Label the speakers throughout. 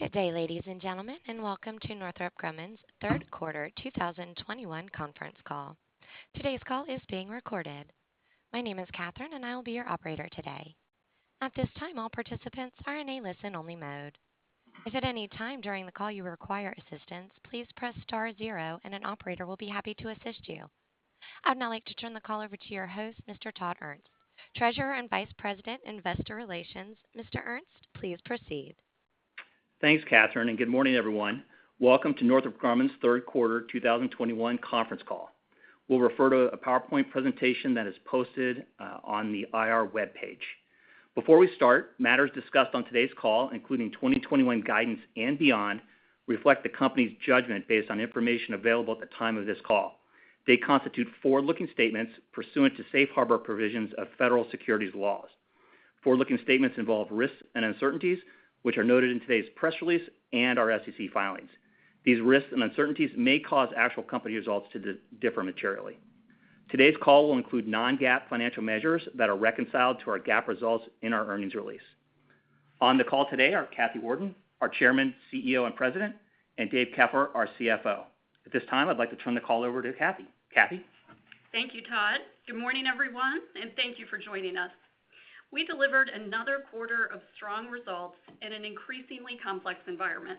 Speaker 1: Good day, ladies and gentlemen, and welcome to Northrop Grumman's third quarter 2021 conference call. Today's call is being recorded. My name is Catherine, and I will be your operator today. At this time, all participants are in a listen-only mode. If at any time during the call you require assistance, please press star zero and an operator will be happy to assist you. I'd now like to turn the call over to your host, Mr. Todd Ernst, Treasurer and Vice President, Investor Relations. Mr. Ernst, please proceed.
Speaker 2: Thanks, Catherine, and good morning, everyone. Welcome to Northrop Grumman's third quarter 2021 conference call. We'll refer to a PowerPoint presentation that is posted on the IR webpage. Before we start, matters discussed on today's call, including 2021 guidance and beyond, reflect the company's judgment based on information available at the time of this call. They constitute forward-looking statements pursuant to Safe Harbor provisions of federal securities laws. Forward-looking statements involve risks and uncertainties which are noted in today's press release and our SEC filings. These risks and uncertainties may cause actual company results to differ materially. Today's call will include non-GAAP financial measures that are reconciled to our GAAP results in our earnings release. On the call today are Kathy Warden, our Chairman, CEO, and President, and Dave Keffer, our CFO. At this time, I'd like to turn the call over to Kathy. Kathy?
Speaker 3: Thank you, Todd. Good morning, everyone, and thank you for joining us. We delivered another quarter of strong results in an increasingly complex environment.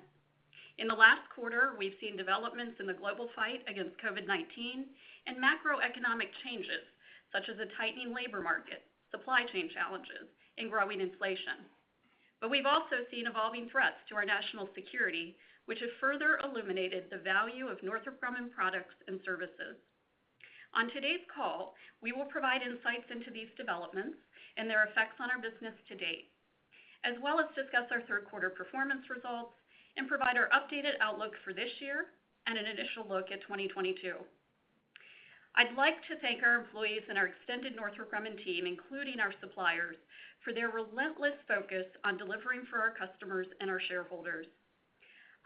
Speaker 3: In the last quarter, we've seen developments in the global fight against COVID-19 and macroeconomic changes, such as a tightening labor market, supply chain challenges, and growing inflation. We've also seen evolving threats to our national security, which have further illuminated the value of Northrop Grumman products and services. On today's call, we will provide insights into these developments and their effects on our business to date, as well as discuss our third quarter performance results and provide our updated outlook for this year and an initial look at 2022. I'd like to thank our employees and our extended Northrop Grumman team, including our suppliers, for their relentless focus on delivering for our customers and our shareholders.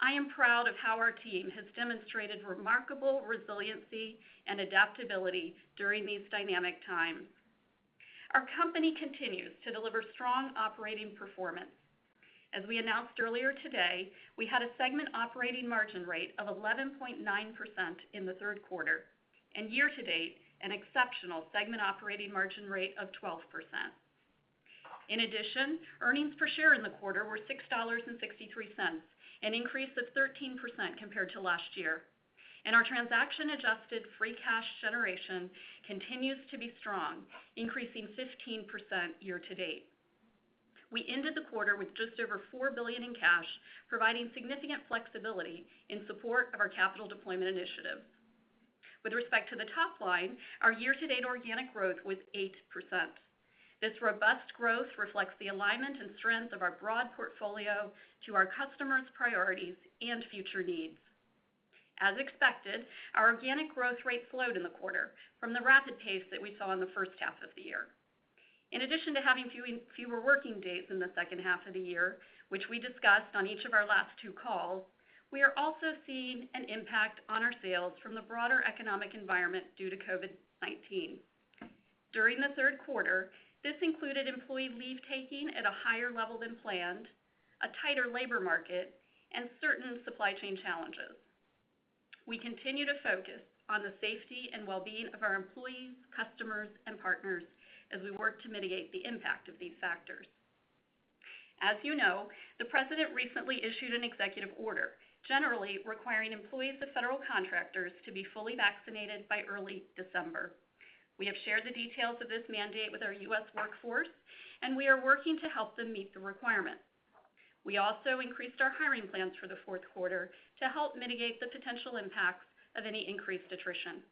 Speaker 3: I am proud of how our team has demonstrated remarkable resiliency and adaptability during these dynamic times. Our company continues to deliver strong operating performance. As we announced earlier today, we had a segment operating margin rate of 11.9% in the third quarter, and year-to-date, an exceptional segment operating margin rate of 12%. In addition, earnings per share in the quarter were $6.63, an increase of 13% compared to last year. Our transaction-adjusted free cash generation continues to be strong, increasing 15% year-to-date. We ended the quarter with just over $4 billion in cash, providing significant flexibility in support of our capital deployment initiative. With respect to the top line, our year-to-date organic growth was 8%. This robust growth reflects the alignment and strength of our broad portfolio to our customers' priorities and future needs. As expected, our organic growth rate slowed in the quarter from the rapid pace that we saw in the first half of the year. In addition to having fewer working days in the second half of the year, which we discussed on each of our last two calls, we are also seeing an impact on our sales from the broader economic environment due to COVID-19. During the third quarter, this included employee leave taking at a higher level than planned, a tighter labor market, and certain supply chain challenges. We continue to focus on the safety and well-being of our employees, customers, and partners as we work to mitigate the impact of these factors. As you know, the President recently issued an executive order, generally requiring employees of federal contractors to be fully vaccinated by early December. We have shared the details of this mandate with our U.S. workforce, and we are working to help them meet the requirements. We also increased our hiring plans for the fourth quarter to help mitigate the potential impacts of any increased attrition.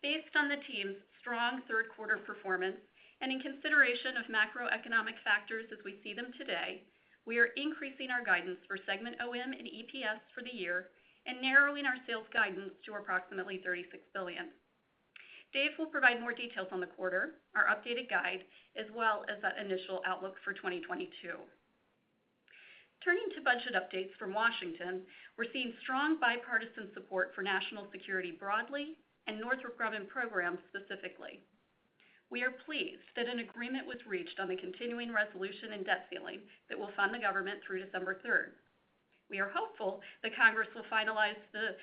Speaker 3: Based on the team's strong third quarter performance and in consideration of macroeconomic factors as we see them today, we are increasing our guidance for segment OM and EPS for the year and narrowing our sales guidance to approximately $36 billion. Dave will provide more details on the quarter, our updated guide, as well as that initial outlook for 2022. Turning to budget updates from Washington, we're seeing strong bipartisan support for national security broadly and Northrop Grumman programs specifically. We are pleased that an agreement was reached on the continuing resolution and debt ceiling that will fund the government through December third. We are hopeful that Congress will finalize the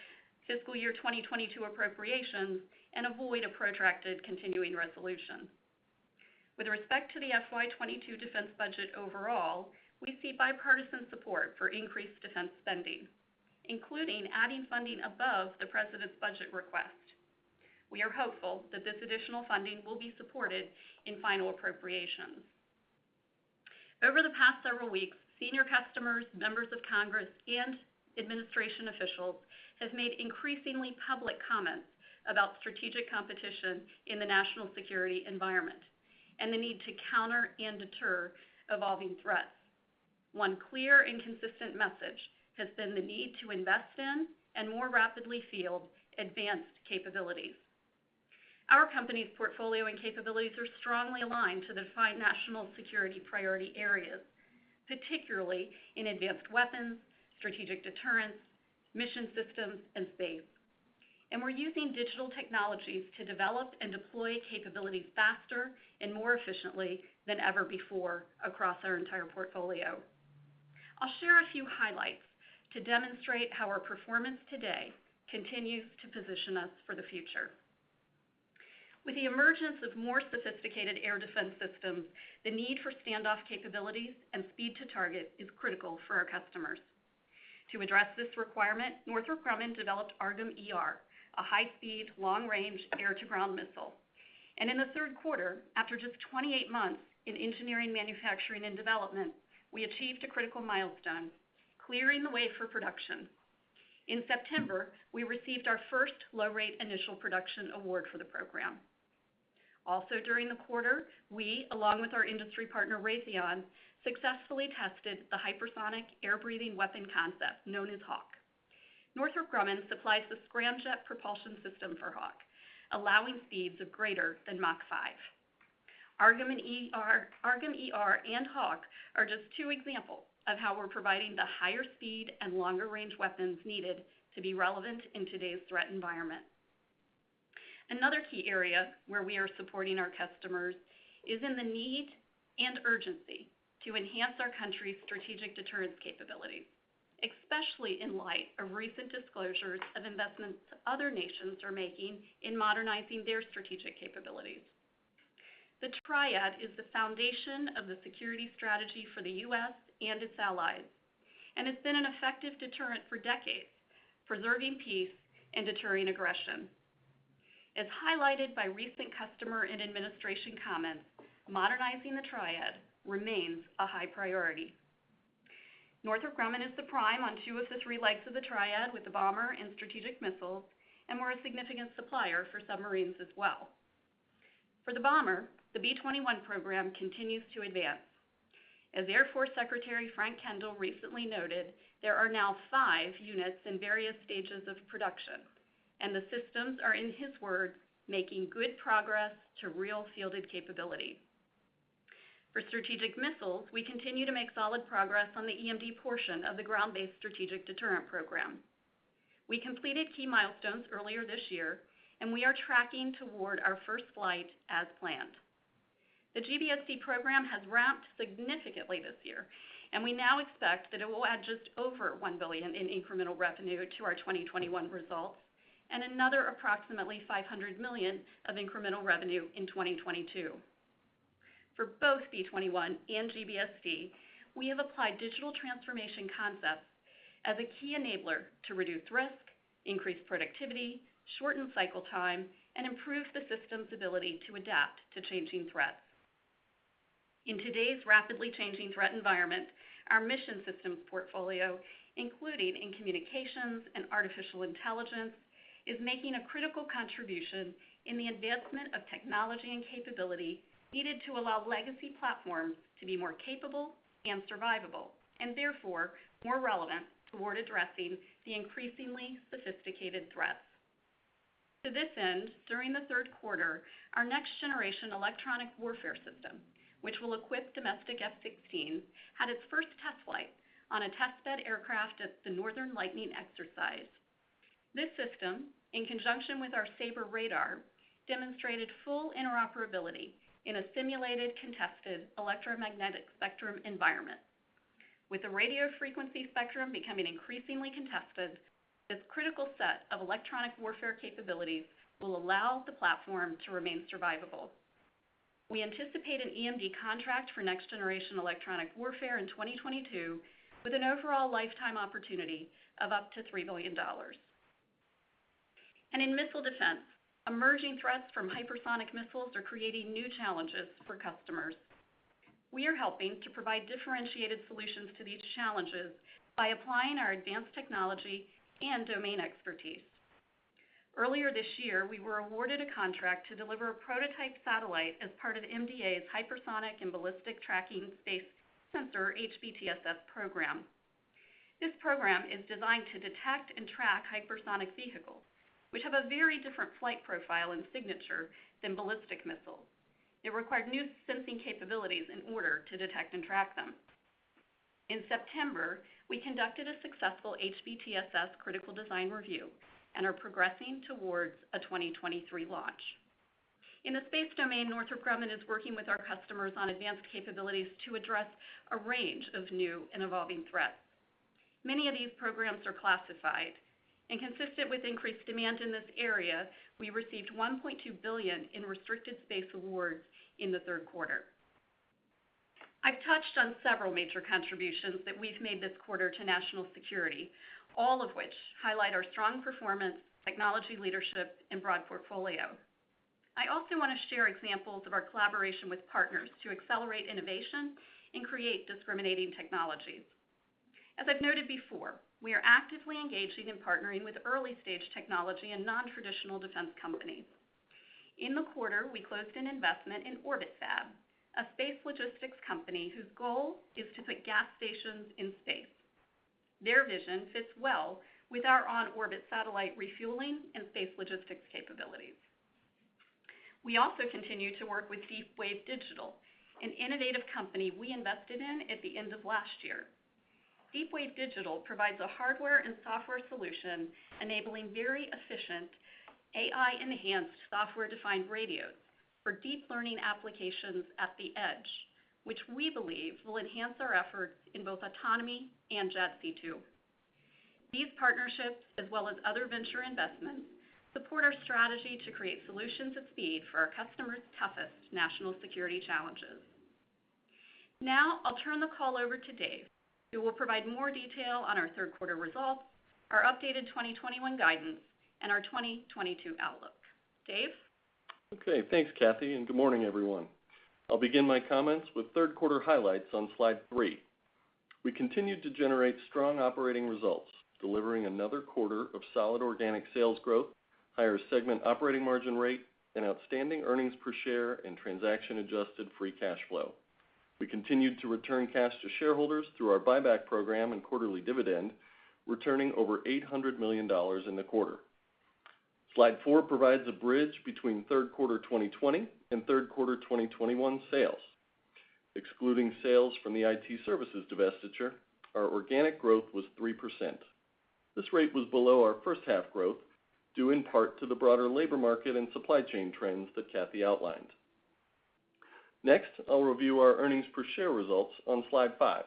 Speaker 3: fiscal year 2022 appropriations and avoid a protracted continuing resolution. With respect to the FY 2022 defense budget overall, we see bipartisan support for increased defense spending, including adding funding above the President's budget request. We are hopeful that this additional funding will be supported in final appropriations. Over the past several weeks, senior customers, members of Congress, and administration officials have made increasingly public comments about strategic competition in the national security environment and the need to counter and deter evolving threats. One clear and consistent message has been the need to invest in and more rapidly field advanced capabilities. Our company's portfolio and capabilities are strongly aligned to the five national security priority areas, particularly in advanced weapons, strategic deterrence, mission systems, and space. We're using digital technologies to develop and deploy capabilities faster and more efficiently than ever before across our entire portfolio. I'll share a few highlights to demonstrate how our performance today continues to position us for the future. With the emergence of more sophisticated air defense systems, the need for standoff capabilities and speed to target is critical for our customers. To address this requirement, Northrop Grumman developed AARGM-ER, a high-speed, long-range air-to-ground missile. In the third quarter, after just 28 months in engineering, manufacturing, and development, we achieved a critical milestone, clearing the way for production. In September, we received our first low-rate initial production award for the program. Also during the quarter, we, along with our industry partner, Raytheon, successfully tested the hypersonic air-breathing weapon concept known as HAWC. Northrop Grumman supplies the scramjet propulsion system for HAWC, allowing speeds of greater than Mach 5. AARGM-ER and HAWC are just two examples of how we're providing the higher speed and longer-range weapons needed to be relevant in today's threat environment. Another key area where we are supporting our customers is in the need and urgency to enhance our country's strategic deterrence capabilities, especially in light of recent disclosures of investments other nations are making in modernizing their strategic capabilities. The Triad is the foundation of the security strategy for the U.S. and its allies, and it's been an effective deterrent for decades, preserving peace and deterring aggression. As highlighted by recent customer and administration comments, modernizing the Triad remains a high priority. Northrop Grumman is the prime on two of the three legs of the Triad with the bomber and strategic missiles, and we're a significant supplier for submarines as well. For the bomber, the B-21 program continues to advance. As Air Force Secretary Frank Kendall recently noted, there are now five units in various stages of production, and the systems are, in his words, "making good progress to real fielded capability." For strategic missiles, we continue to make solid progress on the EMD portion of the Ground-Based Strategic Deterrent program. We completed key milestones earlier this year, and we are tracking toward our first flight as planned. The GBSD program has ramped significantly this year, and we now expect that it will add just over $1 billion in incremental revenue to our 2021 results and another approximately $500 million of incremental revenue in 2022. For both B-21 and GBSD, we have applied digital transformation concepts as a key enabler to reduce risk, increase productivity, shorten cycle time, and improve the system's ability to adapt to changing threats. In today's rapidly changing threat environment, our Mission Systems portfolio, including in communications and artificial intelligence, is making a critical contribution in the advancement of technology and capability needed to allow legacy platforms to be more capable and survivable, and therefore, more relevant toward addressing the increasingly sophisticated threats. To this end, during the third quarter, our next-generation electronic warfare system, which will equip domestic F-16s, had its first test flight on a test bed aircraft at the Northern Lightning exercise. This system, in conjunction with our SABR radar, demonstrated full interoperability in a simulated contested electromagnetic spectrum environment. With the radio frequency spectrum becoming increasingly contested, this critical set of electronic warfare capabilities will allow the platform to remain survivable. We anticipate an EMD contract for next-generation electronic warfare in 2022 with an overall lifetime opportunity of up to $3 billion. In missile defense, emerging threats from hypersonic missiles are creating new challenges for customers. We are helping to provide differentiated solutions to these challenges by applying our advanced technology and domain expertise. Earlier this year, we were awarded a contract to deliver a prototype satellite as part of MDA's Hypersonic and Ballistic Tracking Space Sensor (HBTSS) program. This program is designed to detect and track hypersonic vehicles, which have a very different flight profile and signature than ballistic missiles. It required new sensing capabilities in order to detect and track them. In September, we conducted a successful HBTSS critical design review and are progressing towards a 2023 launch. In the space domain, Northrop Grumman is working with our customers on advanced capabilities to address a range of new and evolving threats. Many of these programs are classified and, consistent with increased demand in this area, we received $1.2 billion in restricted space awards in the third quarter. I've touched on several major contributions that we've made this quarter to national security, all of which highlight our strong performance, technology leadership, and broad portfolio. I also wanna share examples of our collaboration with partners to accelerate innovation and create discriminating technologies. As I've noted before, we are actively engaging and partnering with early-stage technology and non-traditional defense companies. In the quarter, we closed an investment in Orbit Fab, a space logistics company whose goal is to put gas stations in space. Their vision fits well with our on-orbit satellite refueling and space logistics capabilities. We also continue to work with Deepwave Digital, an innovative company we invested in at the end of last year. Deepwave Digital provides a hardware and software solution enabling very efficient AI-enhanced software-defined radios for deep learning applications at the edge, which we believe will enhance our efforts in both autonomy and JADC2. These partnerships, as well as other venture investments, support our strategy to create solutions at speed for our customers' toughest national security challenges. Now I'll turn the call over to Dave, who will provide more detail on our third quarter results, our updated 2021 guidance, and our 2022 outlook. Dave?
Speaker 4: Okay. Thanks, Kathy, and good morning, everyone. I'll begin my comments with third quarter highlights on slide 3. We continued to generate strong operating results, delivering another quarter of solid organic sales growth, higher segment operating margin rate, and outstanding earnings per share and transaction-adjusted free cash flow. We continued to return cash to shareholders through our buyback program and quarterly dividend, returning over $800 million in the quarter. Slide four provides a bridge between third quarter 2020 and third quarter 2021 sales. Excluding sales from the IT services divestiture, our organic growth was 3%. This rate was below our first half growth, due in part to the broader labor market and supply chain trends that Kathy outlined. Next, I'll review our earnings per share results on slide 5.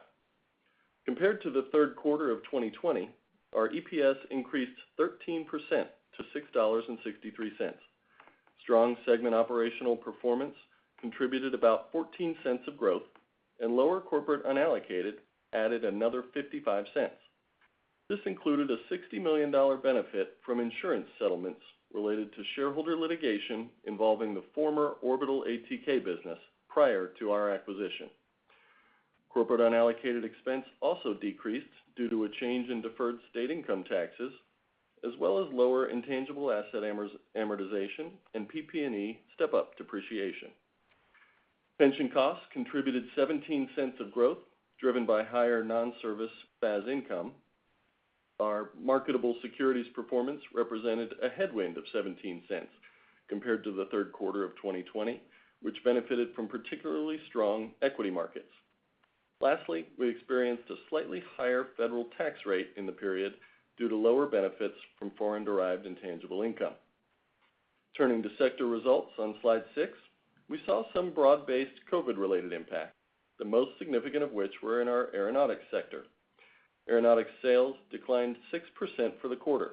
Speaker 4: Compared to the third quarter of 2020, our EPS increased 13% to $6.63. Strong segment operational performance contributed about 14 cents of growth, and lower corporate unallocated added another 55 cents. This included a $60 million benefit from insurance settlements related to shareholder litigation involving the former Orbital ATK business prior to our acquisition. Corporate unallocated expense also decreased due to a change in deferred state income taxes, as well as lower intangible asset amortization and PP&E step-up depreciation. Pension costs contributed 17 cents of growth, driven by higher non-service FAS income. Our marketable securities performance represented a headwind of 17 cents compared to the third quarter of 2020, which benefited from particularly strong equity markets. Lastly, we experienced a slightly higher federal tax rate in the period due to lower benefits from foreign-derived intangible income. Turning to sector results on slide six, we saw some broad-based COVID-related impact, the most significant of which were in our Aeronautics sector. Aeronautics sales declined 6% for the quarter.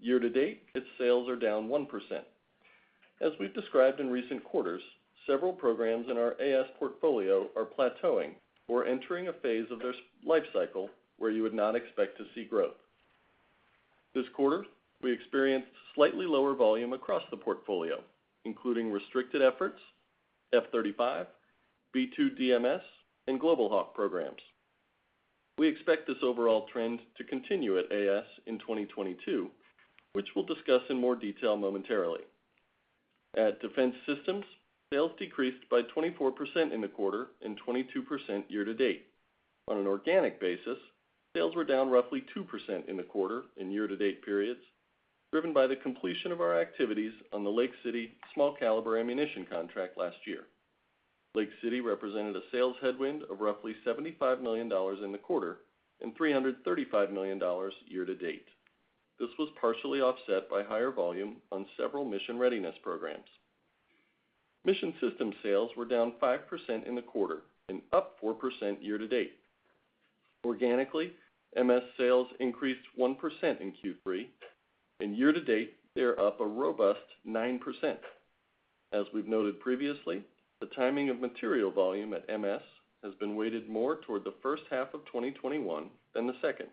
Speaker 4: Year to date, its sales are down 1%. As we've described in recent quarters, several programs in our AS portfolio are plateauing or entering a phase of their life cycle where you would not expect to see growth. This quarter, we experienced slightly lower volume across the portfolio, including restricted efforts, F-35, B-2 DMS, and Global Hawk programs. We expect this overall trend to continue at AS in 2022, which we'll discuss in more detail momentarily. At Defense Systems, sales decreased by 24% in the quarter and 22% year to date. On an organic basis, sales were down roughly 2% in the quarter and year-to-date periods, driven by the completion of our activities on the Lake City small caliber ammunition contract last year. Lake City represented a sales headwind of roughly $75 million in the quarter and $335 million year-to-date. This was partially offset by higher volume on several mission readiness programs. Mission Systems sales were down 5% in the quarter and up 4% year-to-date. Organically, MS sales increased 1% in Q3, and year-to-date, they are up a robust 9%. As we've noted previously, the timing of material volume at MS has been weighted more toward the first half of 2021 than the second.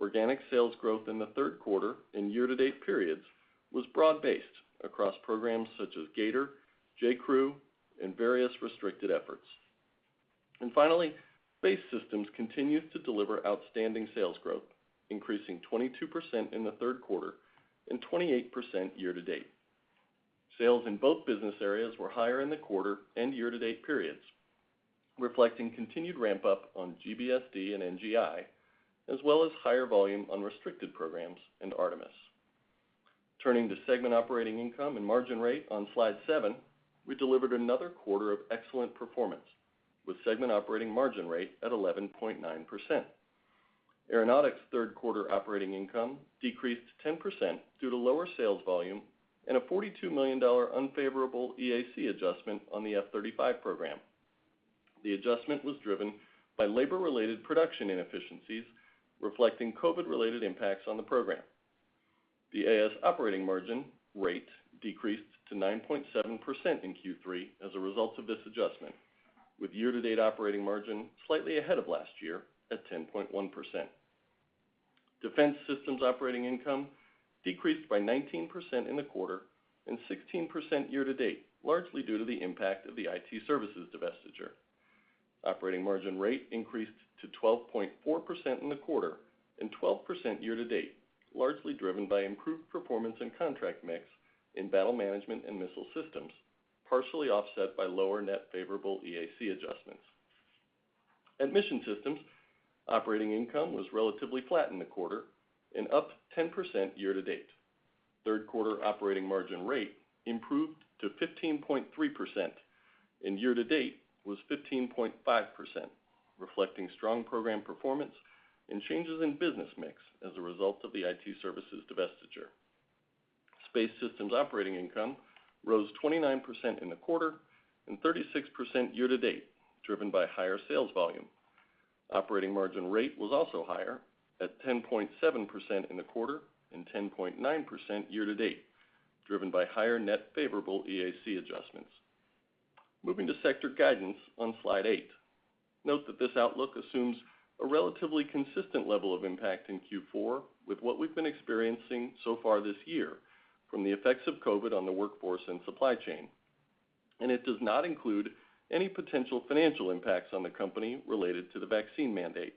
Speaker 4: Organic sales growth in the third quarter and year to date periods was broad-based across programs such as Gator, JCRU, and various restricted efforts. Finally, Space Systems continues to deliver outstanding sales growth, increasing 22% in the third quarter and 28% year to date. Sales in both business areas were higher in the quarter and year to date periods, reflecting continued ramp-up on GBSD and NGI, as well as higher volume on restricted programs and Artemis. Turning to segment operating income and margin rate on slide seven, we delivered another quarter of excellent performance with segment operating margin rate at 11.9%. Aeronautics third quarter operating income decreased 10% due to lower sales volume and a $42 million unfavorable EAC adjustment on the F-35 program. The adjustment was driven by labor-related production inefficiencies reflecting COVID-related impacts on the program. The AS operating margin rate decreased to 9.7% in Q3 as a result of this adjustment, with year-to-date operating margin slightly ahead of last year at 10.1%. Defense Systems operating income decreased by 19% in the quarter and 16% year-to-date, largely due to the impact of the IT services divestiture. Operating margin rate increased to 12.4% in the quarter and 12% year-to-date, largely driven by improved performance and contract mix in Battle Management and Missile Systems, partially offset by lower net favorable EAC adjustments. Mission Systems operating income was relatively flat in the quarter and up 10% year-to-date. Third quarter operating margin rate improved to 15.3%, and year-to-date was 15.5%, reflecting strong program performance and changes in business mix as a result of the IT services divestiture. Space Systems operating income rose 29% in the quarter and 36% year-to-date, driven by higher sales volume. Operating margin rate was also higher at 10.7% in the quarter and 10.9% year-to-date, driven by higher net favorable EAC adjustments. Moving to sector guidance on Slide eight. Note that this outlook assumes a relatively consistent level of impact in Q4 with what we've been experiencing so far this year from the effects of COVID on the workforce and supply chain. It does not include any potential financial impacts on the company related to the vaccine mandate.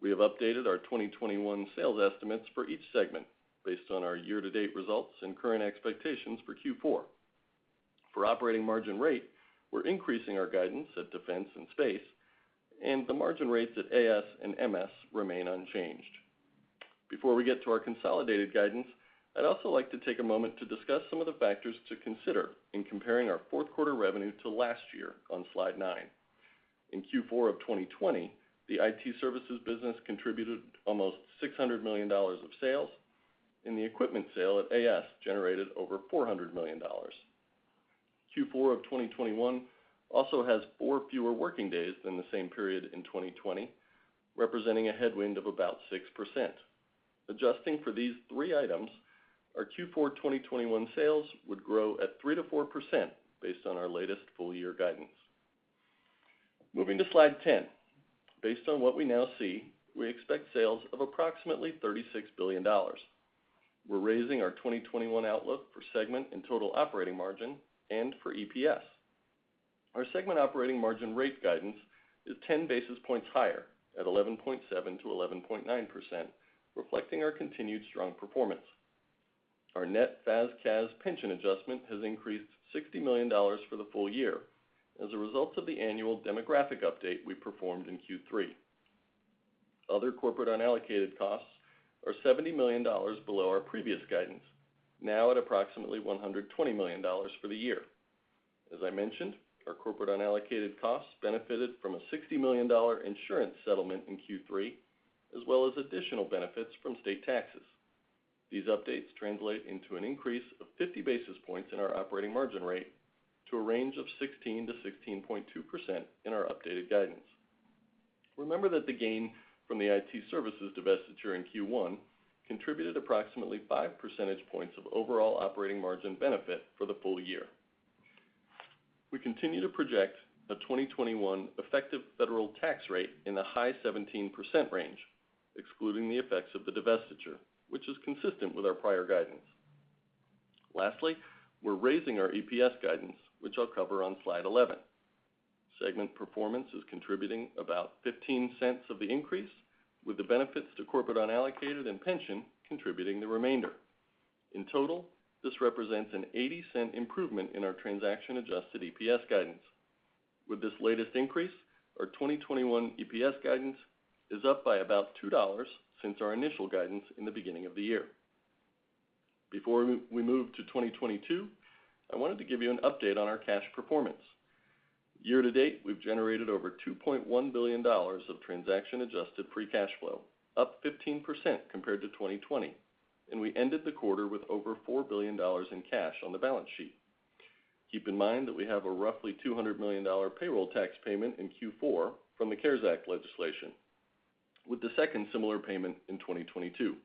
Speaker 4: We have updated our 2021 sales estimates for each segment based on our year-to-date results and current expectations for Q4. For operating margin rate, we're increasing our guidance at Defense and Space, and the margin rates at AS and MS remain unchanged. Before we get to our consolidated guidance, I'd also like to take a moment to discuss some of the factors to consider in comparing our fourth quarter revenue to last year on slide nine. In Q4 of 2020, the IT services business contributed almost $600 million of sales, and the equipment sale at AS generated over $400 million. Q4 of 2021 also has 4 fewer working days than the same period in 2020, representing a headwind of about 6%. Adjusting for these three items, our Q4 2021 sales would grow at 3%-4% based on our latest full year guidance. Moving to slide 10. Based on what we now see, we expect sales of approximately $36 billion. We're raising our 2021 outlook for segment and total operating margin and for EPS. Our segment operating margin rate guidance is 10 basis points higher at 11.7%-11.9%, reflecting our continued strong performance. Our net FAS/CAS pension adjustment has increased $60 million for the full year as a result of the annual demographic update we performed in Q3. Other corporate unallocated costs are $70 million below our previous guidance, now at approximately $120 million for the year. As I mentioned, our corporate unallocated costs benefited from a $60 million insurance settlement in Q3, as well as additional benefits from state taxes. These updates translate into an increase of 50 basis points in our operating margin rate to a range of 16%-16.2% in our updated guidance. Remember that the gain from the IT services divestiture in Q1 contributed approximately five percentage points of overall operating margin benefit for the full year. We continue to project a 2021 effective federal tax rate in the high 17% range, excluding the effects of the divestiture, which is consistent with our prior guidance. Lastly, we're raising our EPS guidance, which I'll cover on slide 11. Segment performance is contributing about $0.15 of the increase, with the benefits to corporate unallocated and pension contributing the remainder. In total, this represents a $0.80 improvement in our transaction-adjusted EPS guidance. With this latest increase, our 2021 EPS guidance is up by about $2 since our initial guidance in the beginning of the year. Before we move to 2022, I wanted to give you an update on our cash performance. Year-to-date, we've generated over $2.1 billion of transaction-adjusted free cash flow, up 15% compared to 2020, and we ended the quarter with over $4 billion in cash on the balance sheet. Keep in mind that we have a roughly $200 million payroll tax payment in Q4 from the CARES Act legislation, with the second similar payment in 2022.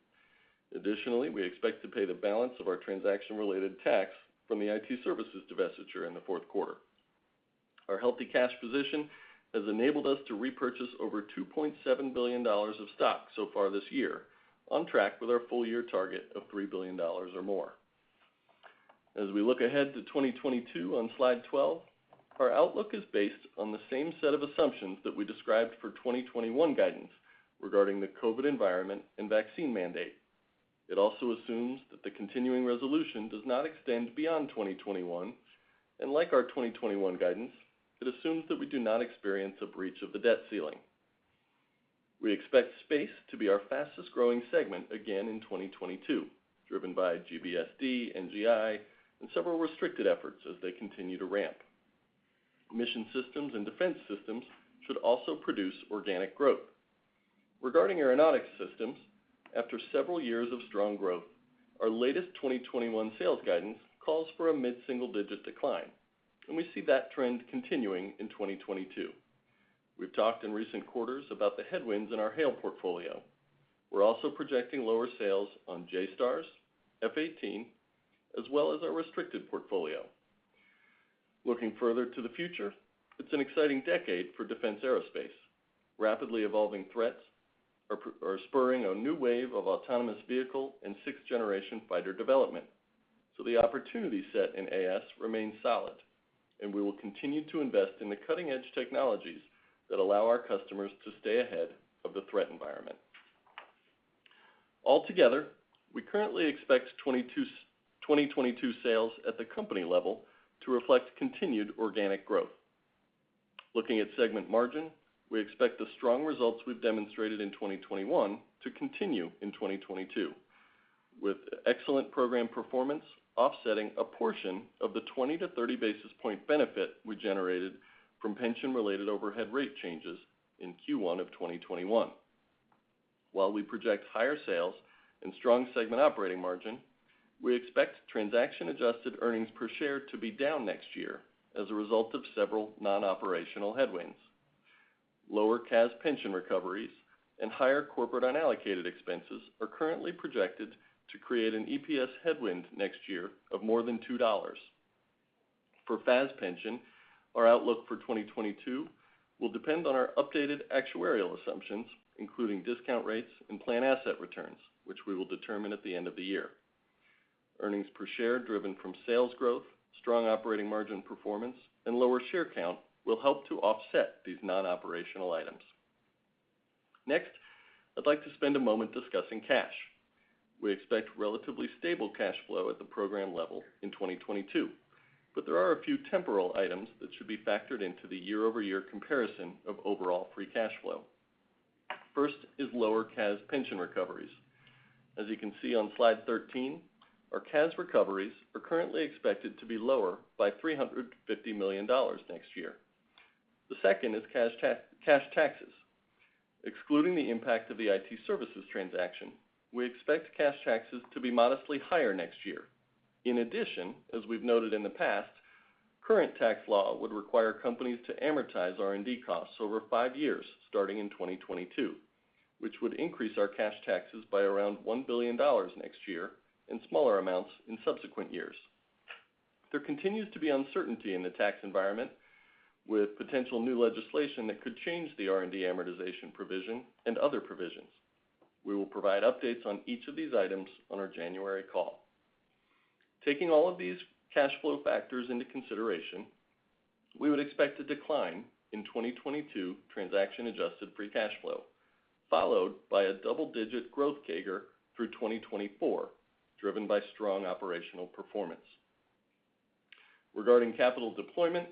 Speaker 4: Additionally, we expect to pay the balance of our transaction-related tax from the IT services divestiture in the fourth quarter. Our healthy cash position has enabled us to repurchase over $2.7 billion of stock so far this year, on track with our full-year target of $3 billion or more. As we look ahead to 2022 on slide 12, our outlook is based on the same set of assumptions that we described for 2021 guidance regarding the COVID environment and vaccine mandate. It also assumes that the continuing resolution does not extend beyond 2021, and like our 2021 guidance, it assumes that we do not experience a breach of the debt ceiling. We expect Space to be our fastest-growing segment again in 2022, driven by GBSD, NGI, and several restricted efforts as they continue to ramp. Mission Systems and Defense Systems should also produce organic growth. Regarding Aeronautics Systems, after several years of strong growth, our latest 2021 sales guidance calls for a mid-single-digit decline, and we see that trend continuing in 2022. We've talked in recent quarters about the headwinds in our HAIL portfolio. We're also projecting lower sales on JSTARS, F-18, as well as our restricted portfolio. Looking further to the future, it's an exciting decade for defense aerospace. Rapidly evolving threats are spurring a new wave of autonomous vehicle and sixth-generation fighter development. The opportunity set in AS remains solid, and we will continue to invest in the cutting-edge technologies that allow our customers to stay ahead of the threat environment. Altogether, we currently expect 2022 sales at the company level to reflect continued organic growth. Looking at segment margin, we expect the strong results we've demonstrated in 2021 to continue in 2022, with excellent program performance offsetting a portion of the 20-30 basis point benefit we generated from pension-related overhead rate changes in Q1 of 2021. While we project higher sales and strong segment operating margin, we expect transaction-adjusted earnings per share to be down next year as a result of several non-operational headwinds. Lower CAS pension recoveries and higher corporate unallocated expenses are currently projected to create an EPS headwind next year of more than $2. For FAS pension, our outlook for 2022 will depend on our updated actuarial assumptions, including discount rates and plan asset returns, which we will determine at the end of the year. Earnings per share driven from sales growth, strong operating margin performance, and lower share count will help to offset these non-operational items. Next, I'd like to spend a moment discussing cash. We expect relatively stable cash flow at the program level in 2022, but there are a few temporal items that should be factored into the year-over-year comparison of overall free cash flow. First is lower CAS pension recoveries. As you can see on slide 13, our CAS recoveries are currently expected to be lower by $350 million next year. The second is cash taxes. Excluding the impact of the IT services transaction, we expect cash taxes to be modestly higher next year. In addition, as we've noted in the past, current tax law would require companies to amortize R&D costs over 5 years starting in 2022, which would increase our cash taxes by around $1 billion next year and smaller amounts in subsequent years. There continues to be uncertainty in the tax environment with potential new legislation that could change the R&D amortization provision and other provisions. We will provide updates on each of these items on our January call. Taking all of these cash flow factors into consideration, we would expect a decline in 2022 transaction-adjusted free cash flow, followed by a double-digit growth CAGR through 2024, driven by strong operational performance. Regarding capital deployment,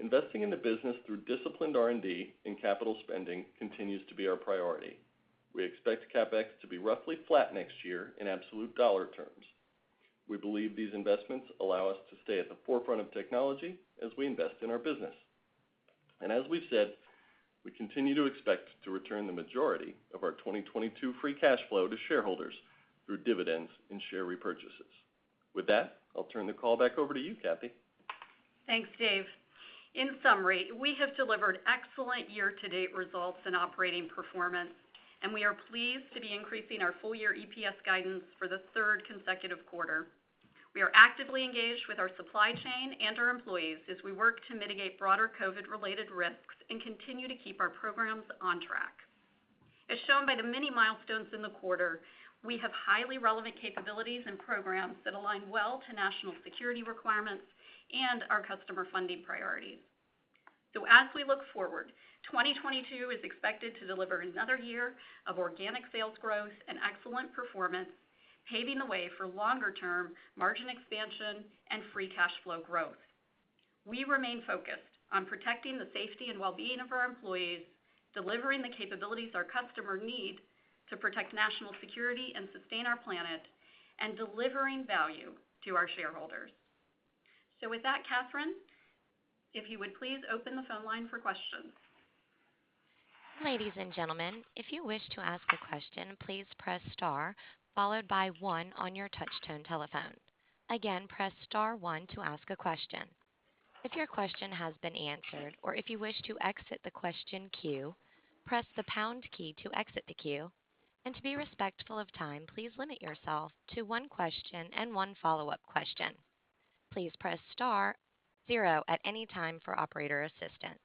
Speaker 4: investing in the business through disciplined R&D and capital spending continues to be our priority. We expect CapEx to be roughly flat next year in absolute dollar terms. We believe these investments allow us to stay at the forefront of technology as we invest in our business. As we've said, we continue to expect to return the majority of our 2022 free cash flow to shareholders through dividends and share repurchases. With that, I'll turn the call back over to you, Kathy.
Speaker 3: Thanks, Dave. In summary, we have delivered excellent year-to-date results and operating performance, and we are pleased to be increasing our full year EPS guidance for the third consecutive quarter. We are actively engaged with our supply chain and our employees as we work to mitigate broader COVID-related risks and continue to keep our programs on track. As shown by the many milestones in the quarter, we have highly relevant capabilities and programs that align well to national security requirements and our customer funding priorities. As we look forward, 2022 is expected to deliver another year of organic sales growth and excellent performance, paving the way for longer-term margin expansion and free cash flow growth. We remain focused on protecting the safety and well-being of our employees, delivering the capabilities our customers need to protect national security and sustain our planet, and delivering value to our shareholders. With that, Catherine, if you would please open the phone line for questions.
Speaker 1: Ladies and gentlemen, if you wish to ask a question, please press star followed by one on your touch tone telephone. Again, press star one to ask a question. If your question has been answered or if you wish to exit the question queue, press the pound key to exit the queue. To be respectful of time, please limit yourself to one question and one follow-up question. Please press star zero at any time for operator assistance.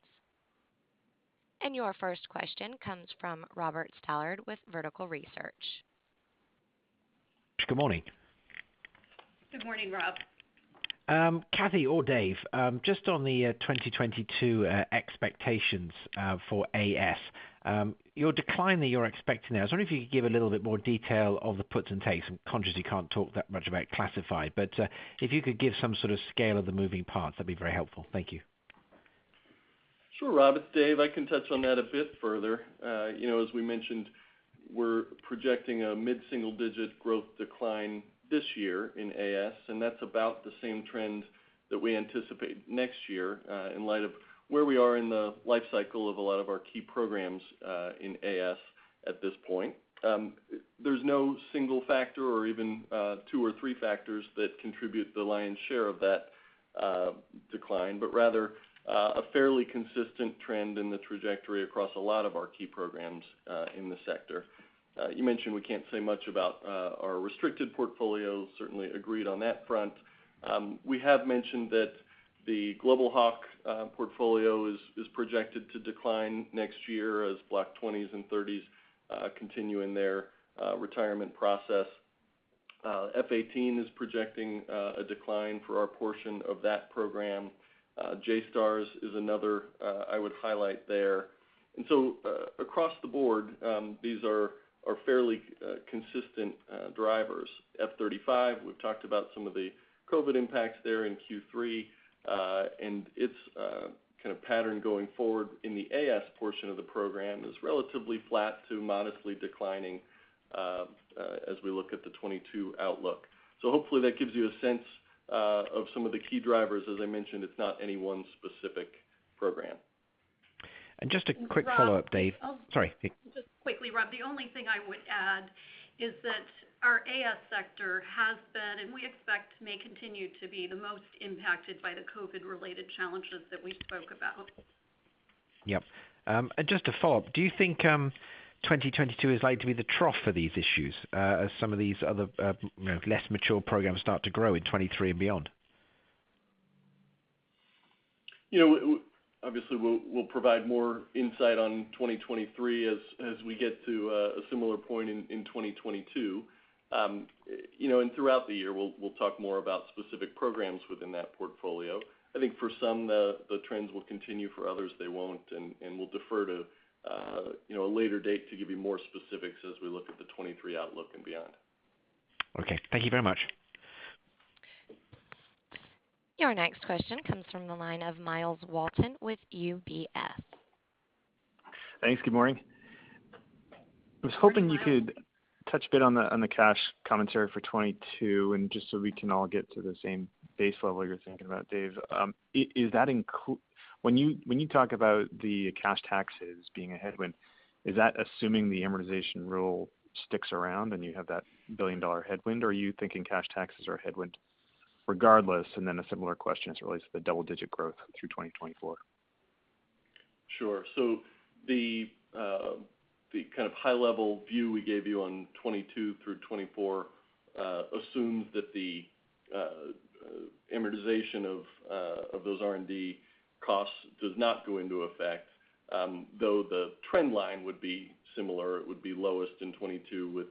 Speaker 1: Your first question comes from Robert Stallard with Vertical Research.
Speaker 5: Good morning.
Speaker 3: Good morning, Rob.
Speaker 5: Kathy or Dave, just on the 2022 expectations for AS, your decline that you're expecting there, I was wondering if you could give a little bit more detail of the puts and takes. I'm conscious you can't talk that much about classified, but if you could give some sort of scale of the moving parts, that'd be very helpful. Thank you.
Speaker 4: Sure, Rob, it's Dave. I can touch on that a bit further. You know, as we mentioned, we're projecting a mid-single-digit growth decline this year in AS, and that's about the same trend that we anticipate next year, in light of where we are in the life cycle of a lot of our key programs in AS at this point. There's no single factor or even two or three factors that contribute the lion's share of that decline, but rather a fairly consistent trend in the trajectory across a lot of our key programs in the sector. You mentioned we can't say much about our restricted portfolio. Certainly agreed on that front. We have mentioned that the Global Hawk portfolio is projected to decline next year as Block 20s and 30s continue in their retirement process. F-18 is projecting a decline for our portion of that program. JSTARS is another I would highlight there. Across the board, these are fairly consistent drivers. F-35, we've talked about some of the COVID impacts there in Q3. And its kind of pattern going forward in the AS portion of the program is relatively flat to modestly declining as we look at the 2022 outlook. Hopefully that gives you a sense of some of the key drivers. As I mentioned, it's not any one specific program.
Speaker 5: Just a quick follow-up, Dave.
Speaker 3: Rob, I'll
Speaker 5: Sorry.
Speaker 3: Just quickly, Rob. The only thing I would add is that our AS sector has been, and we expect it may continue to be, the most impacted by the COVID-related challenges that we spoke about.
Speaker 5: Yep. Just to follow up, do you think 2022 is likely to be the trough for these issues, as some of these other, you know, less mature programs start to grow in 2023 and beyond?
Speaker 4: You know, obviously, we'll provide more insight on 2023 as we get to a similar point in 2022. You know, throughout the year, we'll talk more about specific programs within that portfolio. I think for some, the trends will continue, for others, they won't. We'll defer to, you know, a later date to give you more specifics as we look at the 2023 outlook and beyond.
Speaker 5: Okay. Thank you very much.
Speaker 1: Your next question comes from the line of Myles Walton with UBS.
Speaker 6: Thanks. Good morning. I was hoping you could touch a bit on the cash commentary for 2022, and just so we can all get to the same base level you're thinking about, Dave. When you talk about the cash taxes being a headwind, is that assuming the amortization rule sticks around, and you have that billion-dollar headwind, or are you thinking cash taxes are a headwind regardless? Then a similar question as it relates to the double-digit growth through 2024.
Speaker 4: Sure. The kind of high level view we gave you on 2022 through 2024 assumes that the amortization of those R&D costs does not go into effect. Though the trend line would be similar, it would be lowest in 2022 with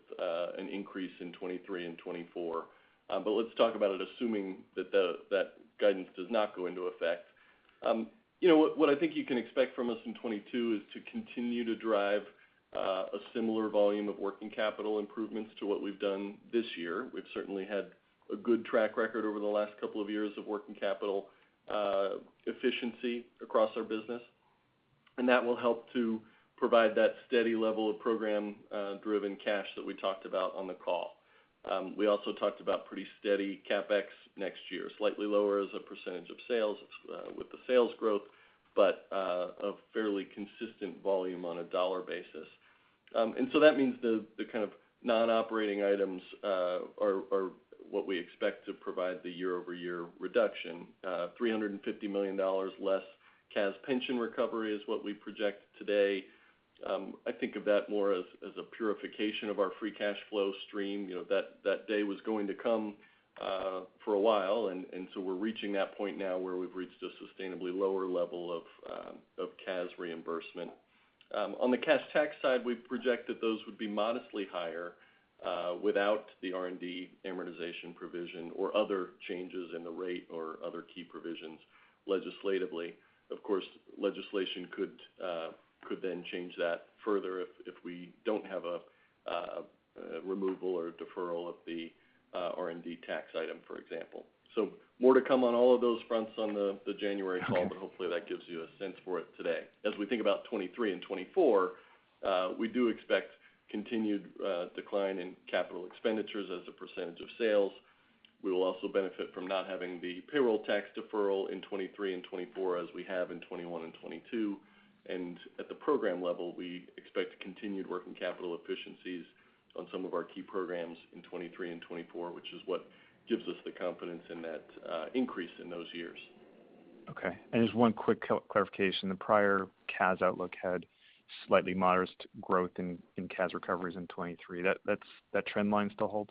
Speaker 4: an increase in 2023 and 2024. Let's talk about it assuming that the guidance does not go into effect. You know, what I think you can expect from us in 2022 is to continue to drive a similar volume of working capital improvements to what we've done this year. We've certainly had a good track record over the last couple of years of working capital efficiency across our business, and that will help to provide that steady level of program driven cash that we talked about on the call. We also talked about pretty steady CapEx next year. Slightly lower as a percentage of sales with the sales growth, but a fairly consistent volume on a dollar basis. That means the kind of non-operating items are what we expect to provide the year-over-year reduction. $350 million less CAS pension recovery is what we project today. I think of that more as a purification of our free cash flow stream. You know, that day was going to come for a while, and so we're reaching that point now where we've reached a sustainably lower level of CAS reimbursement. On the cash tax side, we project that those would be modestly higher without the R&D amortization provision or other changes in the rate or other key provisions legislatively. Of course, legislation could then change that further if we don't have a removal or deferral of the R&D tax item, for example. More to come on all of those fronts on the January call.
Speaker 6: Okay.
Speaker 4: Hopefully that gives you a sense for it today. As we think about 2023 and 2024, we do expect continued decline in capital expenditures as a percentage of sales. We will also benefit from not having the payroll tax deferral in 2023 and 2024 as we have in 2021 and 2022. At the program level, we expect continued working capital efficiencies on some of our key programs in 2023 and 2024, which is what gives us the confidence in that increase in those years.
Speaker 6: Okay. Just one quick clarification. The prior CAS outlook had slightly modest growth in CAS recoveries in 2023. That trend line still holds?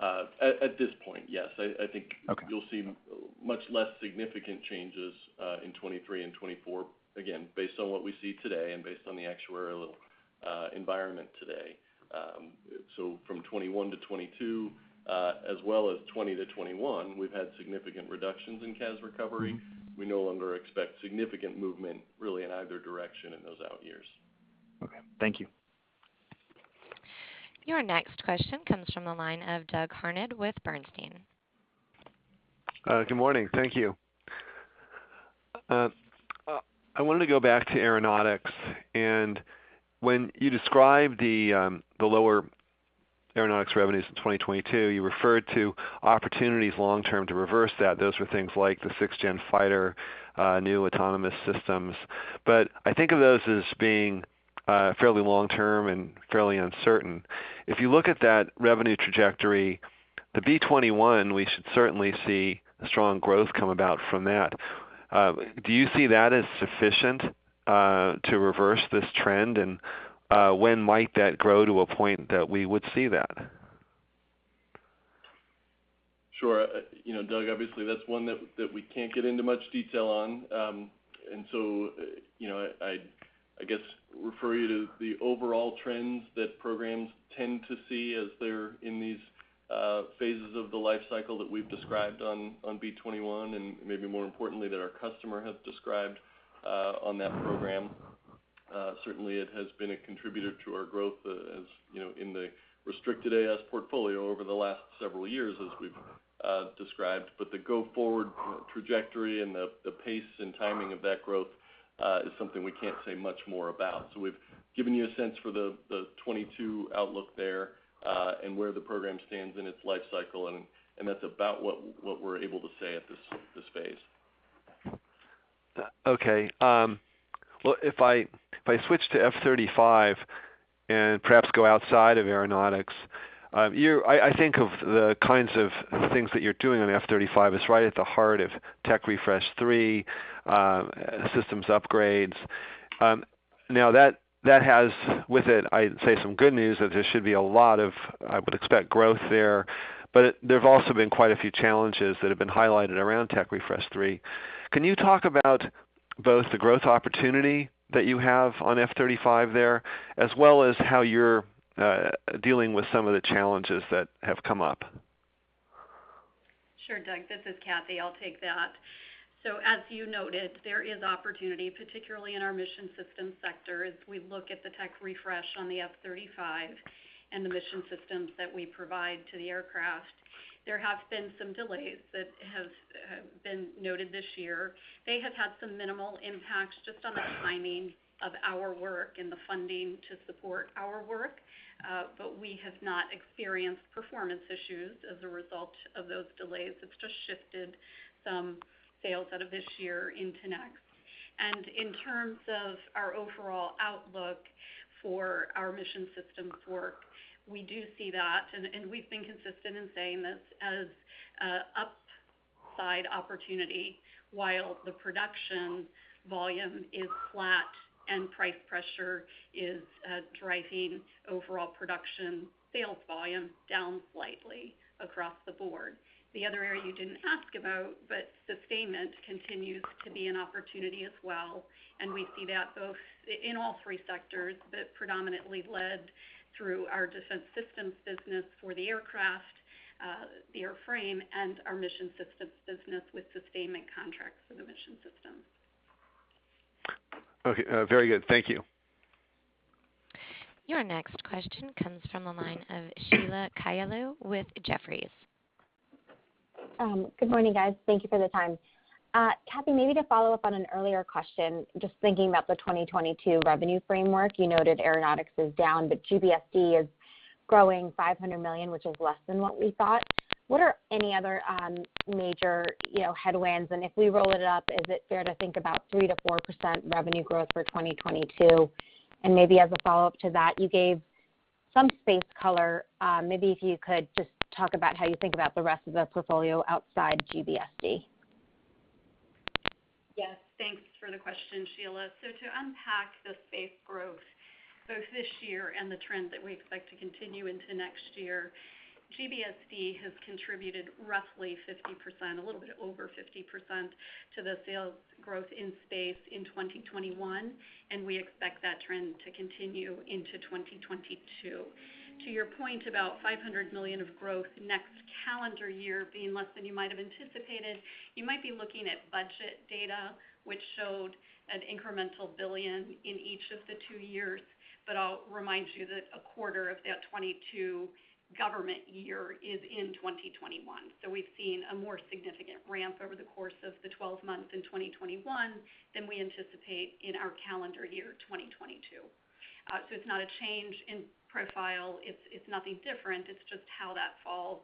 Speaker 4: At this point, yes. I think.
Speaker 6: Okay
Speaker 4: You'll see much less significant changes in 2023 and 2024, again, based on what we see today and based on the actuarial environment today. From 2021 to 2022, as well as 2020 to 2021, we've had significant reductions in CAS recovery. We no longer expect significant movement really in either direction in those out years.
Speaker 6: Okay. Thank you.
Speaker 1: Your next question comes from the line of Doug Harned with Bernstein.
Speaker 7: Good morning. Thank you. I wanted to go back to Aeronautics. When you described the lower Aeronautics revenues in 2022, you referred to opportunities long term to reverse that. Those were things like the sixth-gen fighter, new autonomous systems. I think of those as being fairly long term and fairly uncertain. If you look at that revenue trajectory, the B-21, we should certainly see a strong growth come about from that. Do you see that as sufficient to reverse this trend? When might that grow to a point that we would see that?
Speaker 4: Sure. You know, Doug, obviously that's one that we can't get into much detail on. I guess refer you to the overall trends that programs tend to see as they're in these phases of the life cycle that we've described on B-21, and maybe more importantly, that our customer has described on that program. Certainly it has been a contributor to our growth as you know in the restricted AS portfolio over the last several years as we've described. The go forward trajectory and the pace and timing of that growth is something we can't say much more about. We've given you a sense for the 2022 outlook there, and where the program stands in its life cycle, and that's about what we're able to say at this phase.
Speaker 7: Okay. Well, if I switch to F-35 and perhaps go outside of aeronautics, I think of the kinds of things that you're doing on the F-35 is right at the heart of Tech Refresh 3, systems upgrades. Now that has with it, I'd say some good news that there should be a lot of, I would expect, growth there. But there've also been quite a few challenges that have been highlighted around Tech Refresh 3. Can you talk about both the growth opportunity that you have on F-35 there, as well as how you're dealing with some of the challenges that have come up?
Speaker 3: Sure, Doug. This is Kathy. I'll take that. As you noted, there is opportunity, particularly in our Mission Systems sector as we look at the tech refresh on the F-35 and the mission systems that we provide to the aircraft. There have been some delays that have been noted this year. They have had some minimal impacts just on the timing of our work and the funding to support our work. But we have not experienced performance issues as a result of those delays. It's just shifted some sales out of this year into next. In terms of our overall outlook for our Mission Systems work, we do see that, and we've been consistent in saying this as upside opportunity while the production volume is flat and price pressure is driving overall production sales volume down slightly across the board. The other area you didn't ask about, but sustainment continues to be an opportunity as well, and we see that both in all three sectors, but predominantly led through our Defense Systems business for the aircraft, the airframe, and our Mission Systems business with sustainment contracts for the mission system.
Speaker 7: Okay. Very good. Thank you.
Speaker 1: Your next question comes from the line of Sheila Kahyaoglu with Jefferies.
Speaker 8: Good morning, guys. Thank you for the time. Kathy, maybe to follow up on an earlier question, just thinking about the 2022 revenue framework. You noted aeronautics is down, but GBSD is growing $500 million, which is less than what we thought. What are any other major, you know, headwinds? If we roll it up, is it fair to think about 3%-4% revenue growth for 2022? Maybe as a follow-up to that, you gave some space color, maybe if you could just talk about how you think about the rest of the portfolio outside GBSD.
Speaker 3: Yes. Thanks for the question, Sheila. To unpack the space growth, both this year and the trends that we expect to continue into next year, GBSD has contributed roughly 50%, a little bit over 50% to the sales growth in space in 2021, and we expect that trend to continue into 2022. To your point about $500 million of growth next calendar year being less than you might have anticipated, you might be looking at budget data which showed an incremental $1 billion in each of the two years. I'll remind you that a quarter of that 2022 government year is in 2021. We've seen a more significant ramp over the course of the 12 months in 2021 than we anticipate in our calendar year, 2022. It's not a change in profile. It's nothing different. It's just how that falls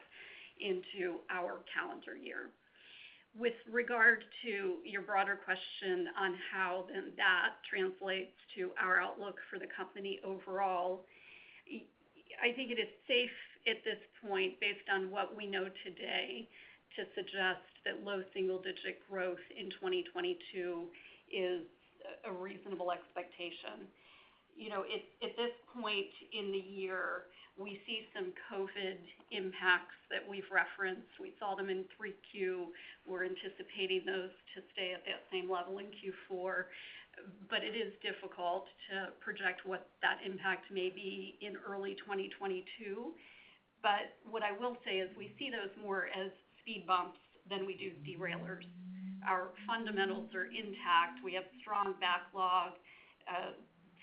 Speaker 3: into our calendar year. With regard to your broader question on how then that translates to our outlook for the company overall, I think it is safe at this point, based on what we know today, to suggest that low single-digit growth in 2022 is a reasonable expectation. You know, at this point in the year, we see some COVID impacts that we've referenced. We saw them in Q3. We're anticipating those to stay at that same level in Q4. It is difficult to project what that impact may be in early 2022. What I will say is we see those more as speed bumps than we do derailers. Our fundamentals are intact. We have strong backlog,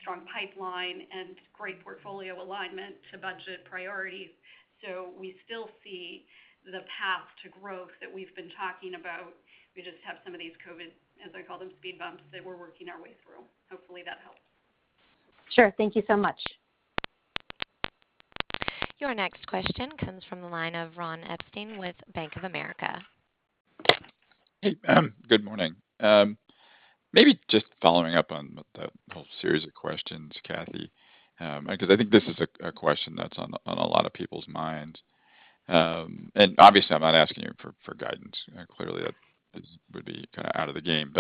Speaker 3: strong pipeline, and great portfolio alignment to budget priorities. We still see the path to growth that we've been talking about. We just have some of these COVID, as I call them, speed bumps that we're working our way through. Hopefully, that helps.
Speaker 8: Sure. Thank you so much.
Speaker 1: Your next question comes from the line of Ron Epstein with Bank of America.
Speaker 9: Hey, good morning. Maybe just following up on that whole series of questions, Kathy, because I think this is a question that's on a lot of people's minds. Obviously I'm not asking you for guidance. Clearly that would be kinda out of the game.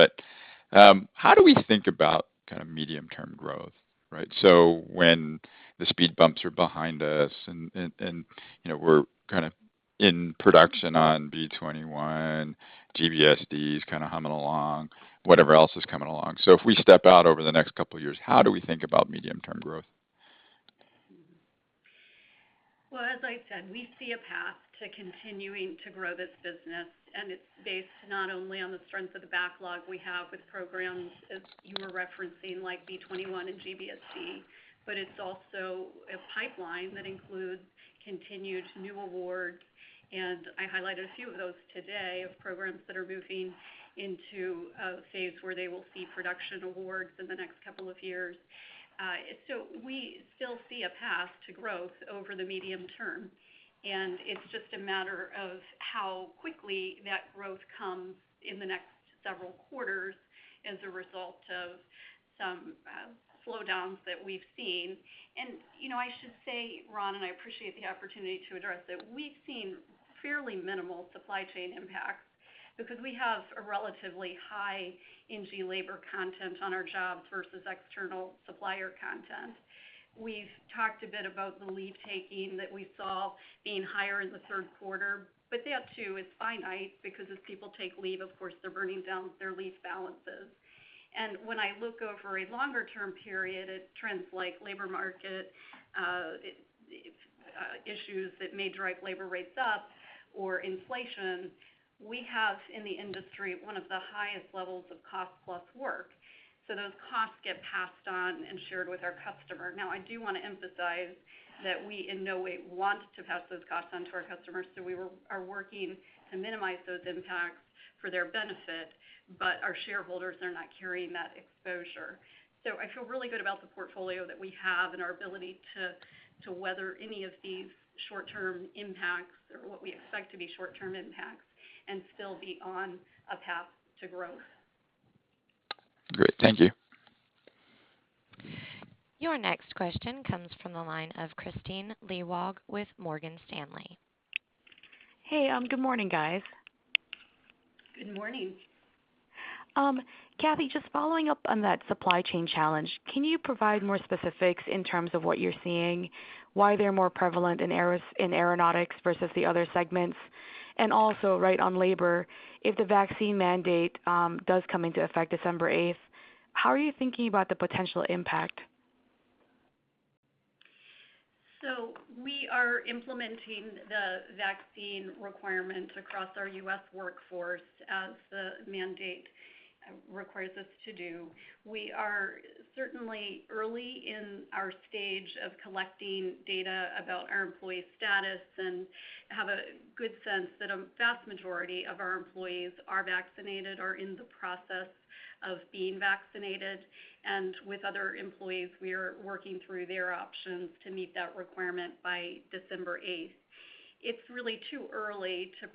Speaker 9: How do we think about kind of medium term growth, right? When the speed bumps are behind us, you know, we're kind of In production on B-21, GBSD is kind of humming along, whatever else is coming along. If we step out over the next couple years, how do we think about medium-term growth?
Speaker 3: Well, as I said, we see a path to continuing to grow this business, and it's based not only on the strength of the backlog we have with programs as you were referencing, like B-21 and GBSD, but it's also a pipeline that includes continued new awards. I highlighted a few of those today of programs that are moving into a phase where they will see production awards in the next couple of years. We still see a path to growth over the medium term, and it's just a matter of how quickly that growth comes in the next several quarters as a result of some slowdowns that we've seen. You know, I should say, Ron, and I appreciate the opportunity to address it. We've seen fairly minimal supply chain impact because we have a relatively high NG labor content on our jobs versus external supplier content. We've talked a bit about the leave-taking that we saw being higher in the third quarter, but that, too, is finite because as people take leave, of course, they're burning down their leave balances. When I look over a longer term period at trends like labor market issues that may drive labor rates up or inflation, we have in the industry one of the highest levels of cost plus work, so those costs get passed on and shared with our customer. Now, I do wanna emphasize that we in no way want to pass those costs on to our customers, so we are working to minimize those impacts for their benefit. Our shareholders are not carrying that exposure. I feel really good about the portfolio that we have and our ability to weather any of these short term impacts or what we expect to be short term impacts and still be on a path to growth.
Speaker 2: Great. Thank you.
Speaker 1: Your next question comes from the line of Kristine Liwag with Morgan Stanley.
Speaker 10: Hey, good morning, guys.
Speaker 3: Good morning.
Speaker 10: Kathy, just following up on that supply chain challenge, can you provide more specifics in terms of what you're seeing, why they're more prevalent in aeronautics versus the other segments? Also right on labor, if the vaccine mandate does come into effect December eighth, how are you thinking about the potential impact?
Speaker 3: We are implementing the vaccine requirement across our U.S. workforce as the mandate requires us to do. We are certainly early in our stage of collecting data about our employees' status and have a good sense that a vast majority of our employees are vaccinated or in the process of being vaccinated. With other employees, we are working through their options to meet that requirement by December eighth. It's really too early to